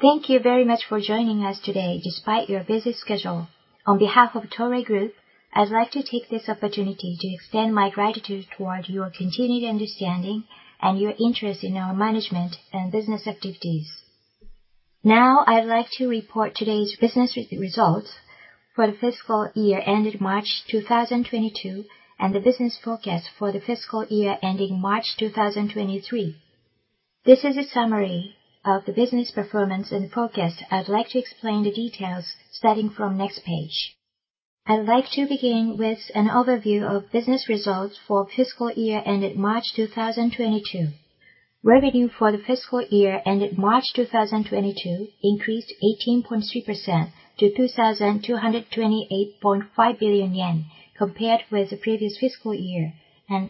Thank you very much for joining us today despite your busy schedule. On behalf of Toray Group, I'd like to take this opportunity to extend my gratitude toward your continued understanding and your interest in our management and business activities. Now I'd like to report today's business results for the fiscal year ended March 2022, and the business forecast for the fiscal year ending March 2023. This is a summary of the business performance and forecast. I'd like to explain the details starting from next page. I'd like to begin with an overview of business results for fiscal year ended March 2022. Revenue for the fiscal year ended March 2022 increased 18.3% to 2,228.5 billion yen compared with the previous fiscal year.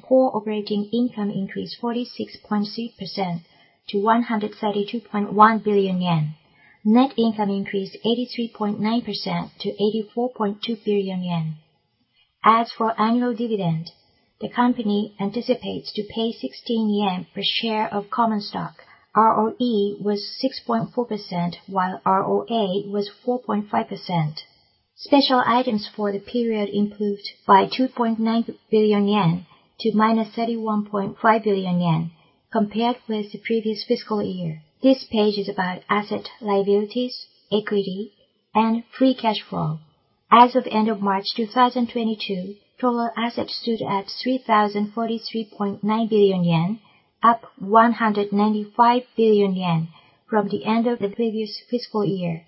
Core operating income increased 46.3% to 132.1 billion yen. Net income increased 83.9% to 84.2 billion yen. As for annual dividend, the company anticipates to pay 16 yen per share of common stock. ROE was 6.4%, while ROA was 4.5%. Special items for the period improved by 2.9 billion yen to -31.5 billion yen compared with the previous fiscal year. This page is about assets, liabilities, equity, and free cash flow. As of end of March 2022, total assets stood at 3,043.9 billion yen, up 195 billion yen from the end of the previous fiscal year,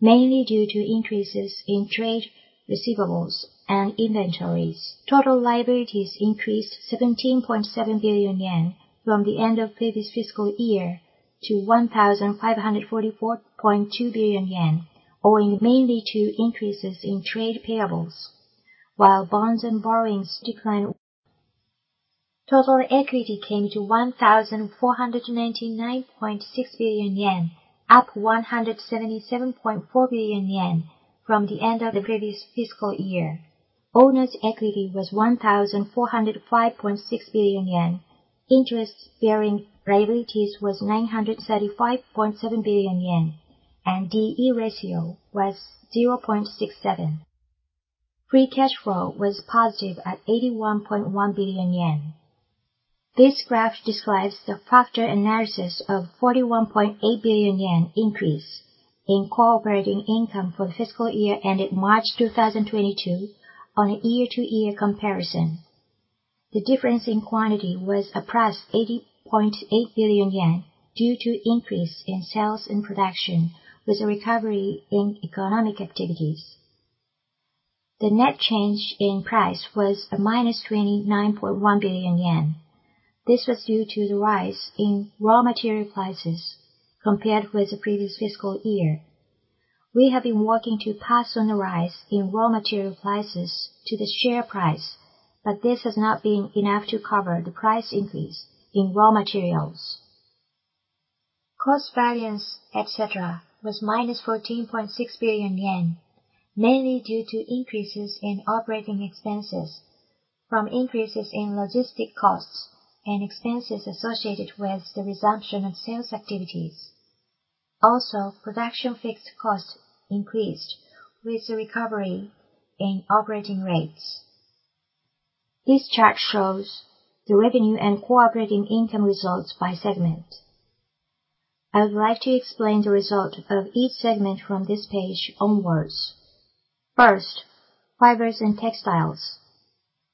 mainly due to increases in trade receivables and inventories. Total liabilities increased 17.7 billion yen from the end of previous fiscal year to 1,544.2 billion yen, owing mainly to increases in trade payables, while bonds and borrowings declined. Total equity came to 1,499.6 billion yen, up 177.4 billion yen from the end of the previous fiscal year. Owner's equity was 1,405.6 billion yen. Interest-bearing liabilities was 935.7 billion yen, and D/E ratio was 0.67. Free cash flow was positive at 81.1 billion yen. This graph describes the factor analysis of 41.8 billion yen increase in core operating income for the fiscal year ended March 2022 on a year-to-year comparison. The difference in quantity was +JPY 80.8 billion due to increase in sales and production with the recovery in economic activities. The net change in price was -29.1 billion yen. This was due to the rise in raw material prices compared with the previous fiscal year. We have been working to pass on the rise in raw material prices to the sales price, but this has not been enough to cover the price increase in raw materials. Cost variance, et cetera, was -14.6 billion yen, mainly due to increases in operating expenses from increases in logistics costs and expenses associated with the resumption of sales activities. Also, production fixed costs increased with the recovery in operating rates. This chart shows the revenue and core operating income results by segment. I would like to explain the result of each segment from this page onwards. First, Fibers and Textiles.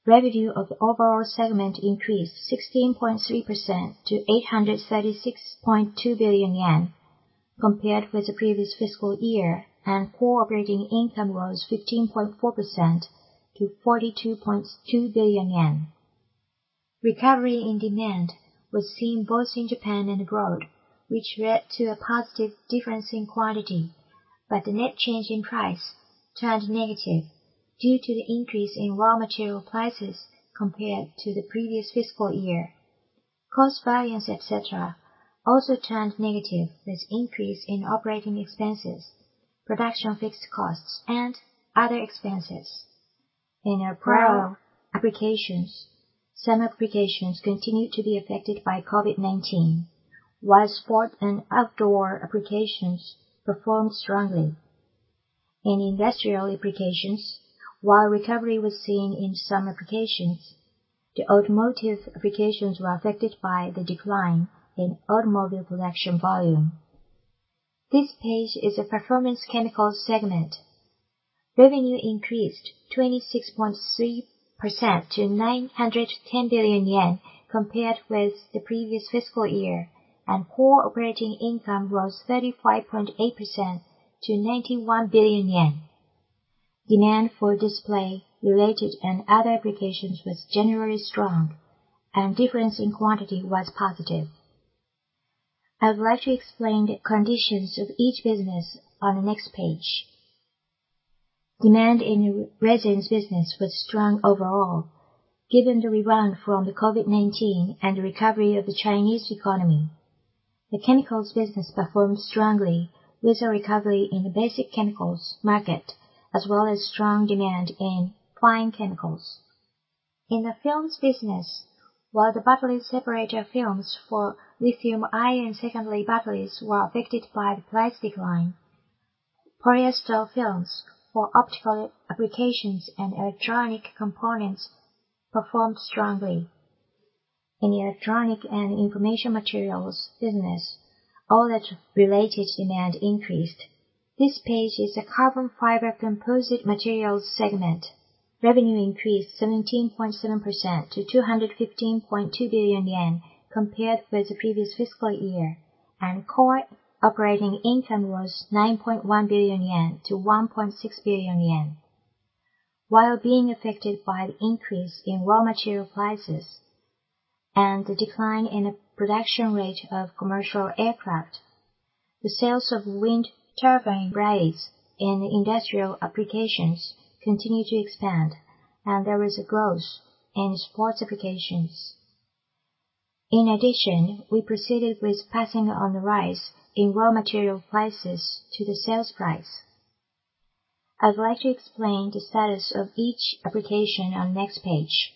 Revenue of the overall segment increased 16.3% to 836.2 billion yen compared with the previous fiscal year, and core operating income rose 15.4% to 42.2 billion yen. Recovery in demand was seen both in Japan and abroad, which led to a positive difference in quantity. The net change in price turned negative due to the increase in raw material prices compared to the previous fiscal year. Cost variance, et cetera, also turned negative with increase in operating expenses, production fixed costs, and other expenses. In apparel applications, some applications continued to be affected by COVID-19, while sport and outdoor applications performed strongly. In industrial applications, while recovery was seen in some applications, the automotive applications were affected by the decline in automobile production volume. This page is the Performance Chemicals segment. Revenue increased 26.3% to 910 billion yen compared with the previous fiscal year, and core operating income rose 35.8% to 91 billion yen. Demand for display related and other applications was generally strong and difference in quantity was positive. I would like to explain the conditions of each business on the next page. Demand in resins business was strong overall, given the rebound from the COVID-19 and the recovery of the Chinese economy. The chemicals business performed strongly with a recovery in the basic chemicals market as well as strong demand in fine chemicals. In the films business, while the battery separator films for lithium-ion secondary batteries were affected by the price decline, polyester films for optical applications and electronic components performed strongly. In the electronic and information materials business, all related demand increased. This page is a Carbon Fiber Composite Materials segment. Revenue increased 17.7% to 215.2 billion yen compared with the previous fiscal year, and core operating income rose 9.1 billion-1.6 billion yen. While being affected by the increase in raw material prices and the decline in the production rate of commercial aircraft, the sales of wind turbine blades in industrial applications continued to expand, and there was a growth in sports applications. In addition, we proceeded with passing on the rise in raw material prices to the sales price. I'd like to explain the status of each application on next page.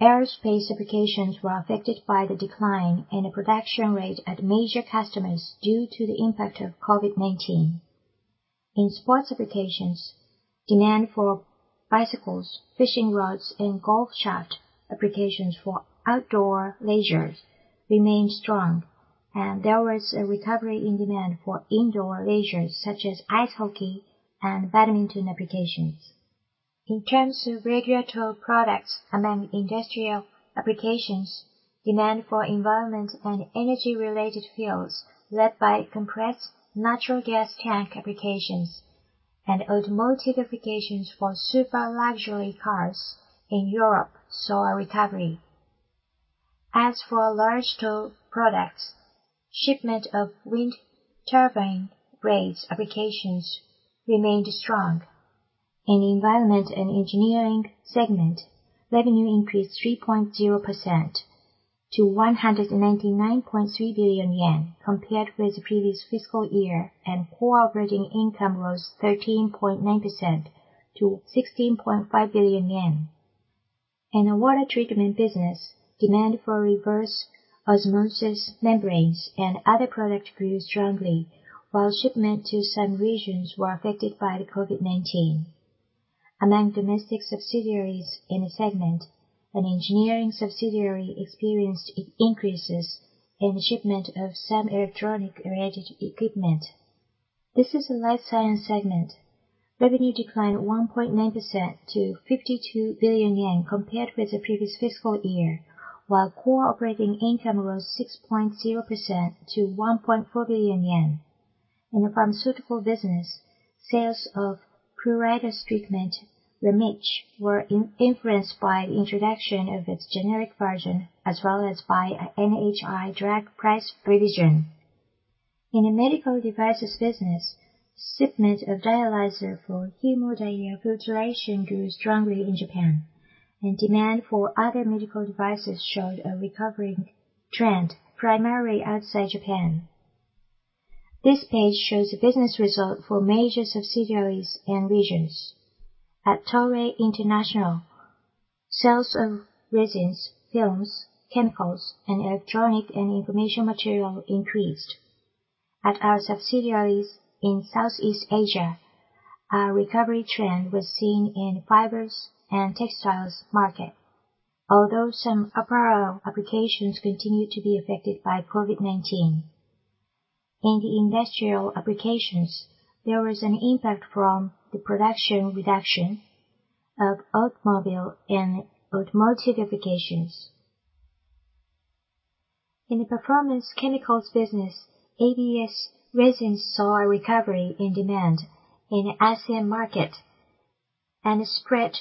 Aerospace applications were affected by the decline in the production rate at major customers due to the impact of COVID-19. In sports applications, demand for bicycles, fishing rods, and golf shaft applications for outdoor leisure remained strong, and there was a recovery in demand for indoor leisure such as ice hockey and badminton applications. In terms of regular tow products among industrial applications, demand for environment and energy-related fields led by compressed natural gas tank applications and automotive applications for super luxury cars in Europe saw a recovery. As for large tow products, shipment of wind turbine blades applications remained strong. In the Environment and Engineering segment, revenue increased 3.0% to 199.3 billion yen compared with the previous fiscal year, and core operating income rose 13.9% to 16.5 billion yen. In the water treatment business, demand for reverse osmosis membranes and other products grew strongly, while shipments to some regions were affected by the COVID-19. Among domestic subsidiaries in the segment, an engineering subsidiary experienced increases in the shipment of some electronic-related equipment. This is the Life Science segment. Revenue declined 1.9% to 52 billion yen compared with the previous fiscal year, while core operating income rose 6.0% to 1.4 billion yen. In the pharmaceutical business, sales of pruritus treatment REMITCH were influenced by the introduction of its generic version as well as by NHI drug price revision. In the medical devices business, shipment of dialyzer for hemodiafiltration grew strongly in Japan, and demand for other medical devices showed a recovering trend, primarily outside Japan. This page shows the business result for major subsidiaries and regions. At Toray International, sales of resins, films, chemicals, and electronic materials increased. At our subsidiaries in Southeast Asia, a recovery trend was seen in Fibers and Textiles market. Although some apparel applications continued to be affected by COVID-19. In the industrial applications, there was an impact from the production reduction of automobile and automotive applications. In the Performance Chemicals business, ABS resins saw a recovery in demand in the ASEAN market, and the spread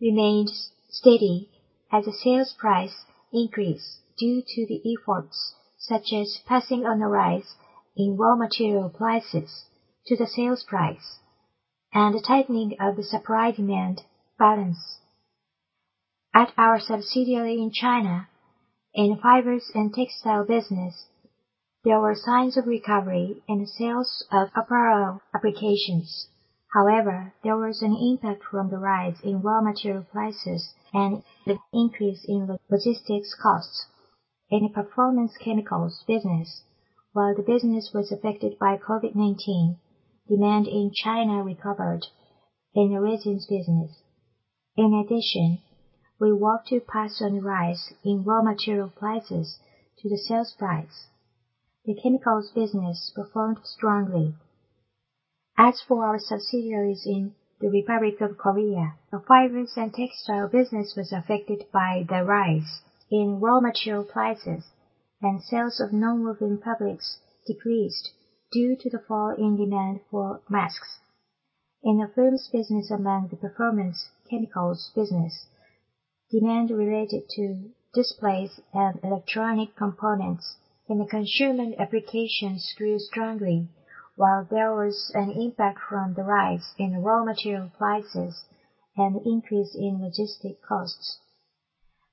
remained steady as the sales price increased due to the efforts such as passing on the rise in raw material prices to the sales price and the tightening of the supply-demand balance. At our subsidiary in China, in Fibers and Textiles business, there were signs of recovery in the sales of apparel applications. However, there was an impact from the rise in raw material prices and the increase in logistics costs. In the Performance Chemicals business, while the business was affected by COVID-19, demand in China recovered in the resins business. In addition, we worked to pass on the rise in raw material prices to the sales price. The chemicals business performed strongly. As for our subsidiaries in the Republic of Korea, the Fibers and Textiles business was affected by the rise in raw material prices and sales of nonwoven fabrics decreased due to the fall in demand for masks. In the films business among the Performance Chemicals business, demand related to displays and electronic components in the consumer applications grew strongly, while there was an impact from the rise in raw material prices and increase in logistics costs.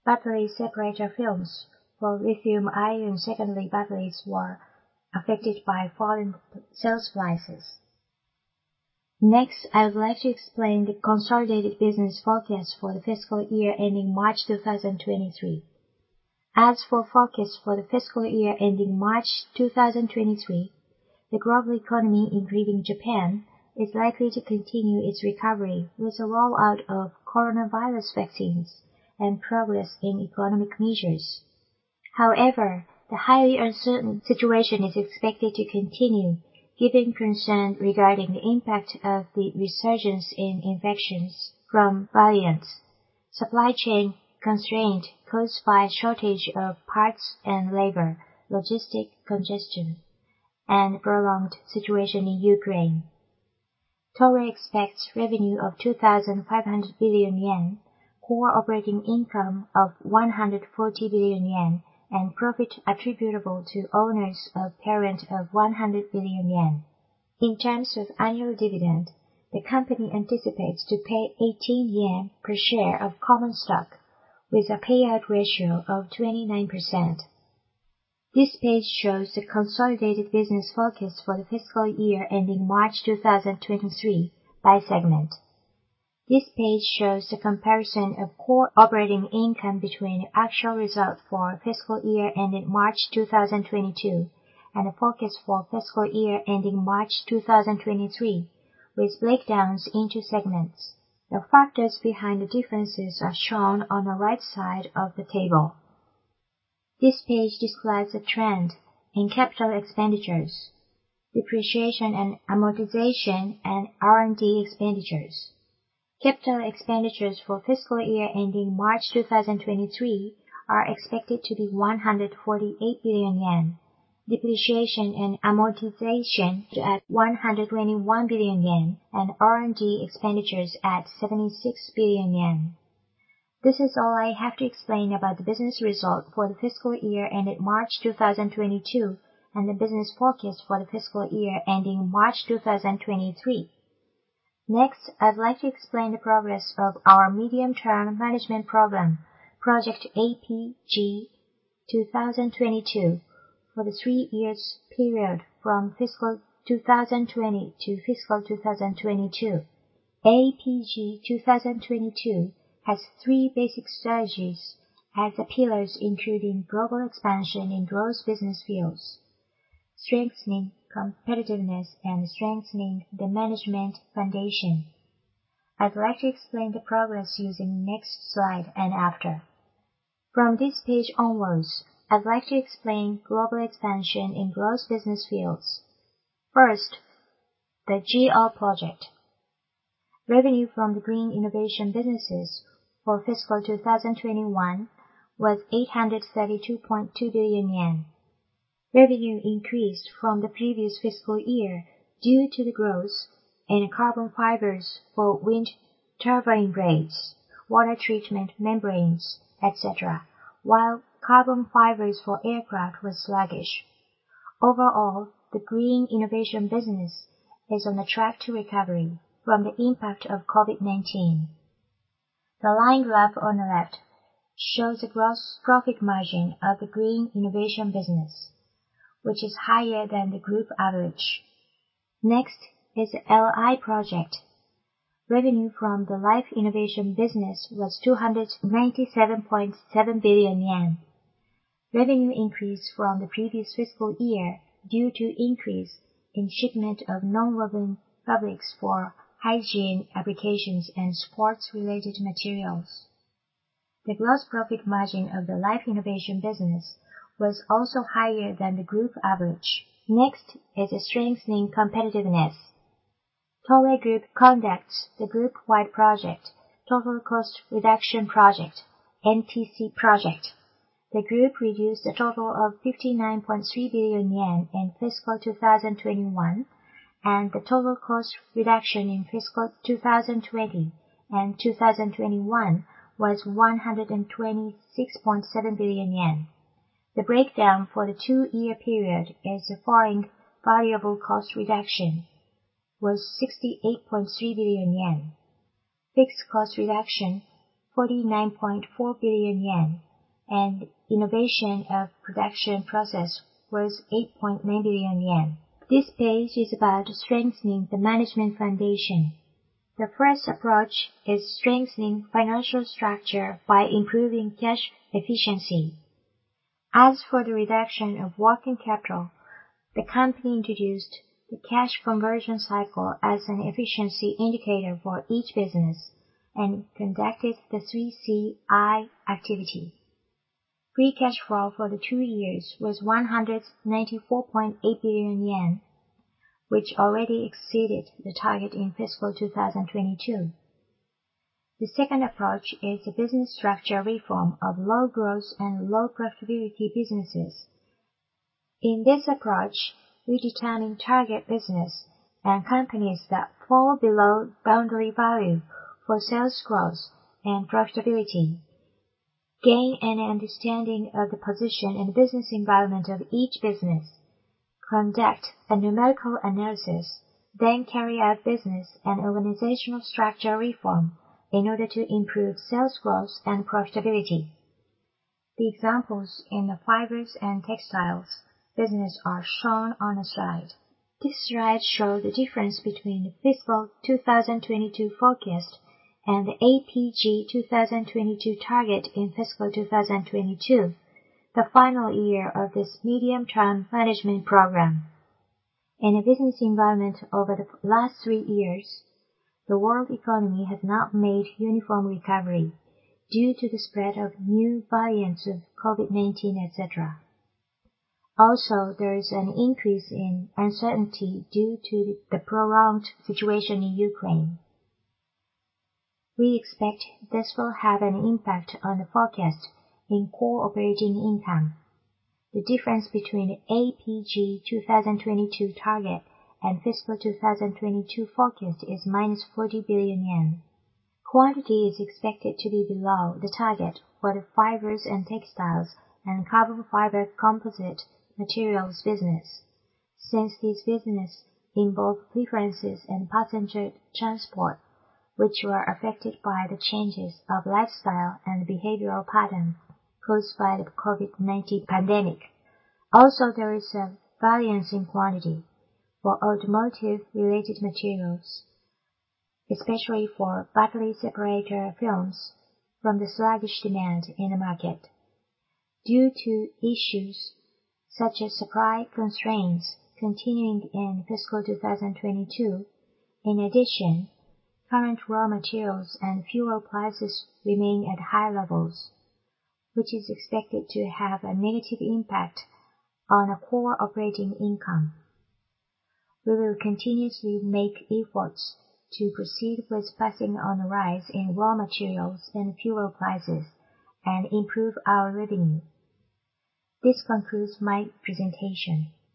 Battery separator films for lithium-ion secondary batteries were affected by falling sales prices. Next, I would like to explain the consolidated business forecast for the fiscal year ending March 2023. As for forecast for the fiscal year ending March 2023, the global economy, including Japan, is likely to continue its recovery with the rollout of coronavirus vaccines and progress in economic measures. However, the highly uncertain situation is expected to continue, giving concern regarding the impact of the resurgence in infections from variants, supply chain constraint caused by a shortage of parts and labor, logistics congestion, and prolonged situation in Ukraine. Toray expects revenue of 2,500 billion yen, core operating income of 140 billion yen, and profit attributable to owners of parent of 100 billion yen. In terms of annual dividend, the company anticipates to pay 18 yen per share of common stock with a payout ratio of 29%. This page shows the consolidated business forecast for the fiscal year ending March 2023 by segment. This page shows the comparison of core operating income between actual result for fiscal year ending March 2022 and the forecast for fiscal year ending March 2023, with breakdowns into segments. The factors behind the differences are shown on the right side of the table. This page describes the trend in capital expenditures, depreciation and amortization, and R&D expenditures. Capital expenditures for fiscal year ending March 2023 are expected to be 148 billion yen, depreciation and amortization to be at 121 billion yen, and R&D expenditures at 76 billion yen. This is all I have to explain about the business results for the fiscal year ending March 2022 and the business forecast for the fiscal year ending March 2023. Next, I'd like to explain the progress of our medium-term management program, Project AP-G 2022, for the three years period from fiscal 2020 to fiscal 2022. AP-G 2022 has three basic strategies as the pillars, including global expansion in growth business fields, strengthening competitiveness, and strengthening the management foundation. I'd like to explain the progress using next slide and after. From this page onwards, I'd like to explain global expansion in growth business fields. First, the GR project. Revenue from the Green Innovation businesses for fiscal 2021 was 832.2 billion yen. Revenue increased from the previous fiscal year due to the growth in carbon fibers for wind turbine blades, water treatment membranes, et cetera, while carbon fibers for aircraft was sluggish. Overall, the Green Innovation business is on the track to recovery from the impact of COVID-19. The line graph on the left shows the gross profit margin of the Green Innovation business, which is higher than the group average. Next is the LI project. Revenue from the Life Innovation business was 297.7 billion yen. Revenue increased from the previous fiscal year due to increase in shipment of nonwoven fabrics for hygiene applications and sports-related materials. The gross profit margin of the Life Innovation business was also higher than the group average. Next is strengthening competitiveness. Toray Group conducts the group-wide project, Total Cost Reduction project, TCR project. The group reduced a total of 59.3 billion yen in fiscal 2021, and the total cost reduction in fiscal 2020 and 2021 was 126.7 billion yen. The breakdown for the two-year period is the following. Variable cost reduction was 68.3 billion yen. Fixed cost reduction, 49.4 billion yen. Innovation of production process was 8.9 billion yen. This page is about strengthening the management foundation. The first approach is strengthening financial structure by improving cash efficiency. As for the reduction of working capital, the company introduced the cash conversion cycle as an efficiency indicator for each business and conducted the CCC improvement activity. Free cash flow for the two years was JPY 194.8 billion, which already exceeded the target in fiscal 2022. The second approach is the business structure reform of low growth and low profitability businesses. In this approach, we determine target business and companies that fall below boundary value for sales growth and profitability, gain an understanding of the position and business environment of each business, conduct a numerical analysis, then carry out business and organizational structure reform in order to improve sales growth and profitability. The examples in the Fibers and Textiles business are shown on the slide. This slide shows the difference between the fiscal 2022 forecast and the AP-G 2022 target in fiscal 2022, the final year of this medium-term management program. In a business environment over the last three years, the world economy has not made uniform recovery due to the spread of new variants of COVID-19, etc. Also, there is an increase in uncertainty due to the prolonged situation in Ukraine. We expect this will have an impact on the forecast in core operating income. The difference between AP-G 2022 target and fiscal 2022 forecast is -40 billion yen. Quantity is expected to be below the target for the Fibers and Textiles and Carbon Fiber Composite Materials business. Since these business involve preferences and passenger transport, which were affected by the changes of lifestyle and behavioral pattern caused by the COVID-19 pandemic. Also, there is a variance in quantity for automotive-related materials, especially for battery separator films from the sluggish demand in the market due to issues such as supply constraints continuing in fiscal 2022. In addition, current raw materials and fuel prices remain at high levels, which is expected to have a negative impact on core operating income. We will continuously make efforts to proceed with passing on the rise in raw materials and fuel prices and improve our revenue. This concludes my presentation.